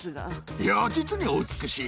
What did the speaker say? いやー、実にお美しい。